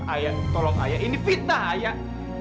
ayo tolong ayah ini fitnah ayah